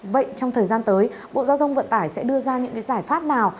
vậy trong thời gian tới bộ giao thông vận tải sẽ đưa ra những cái giải pháp nào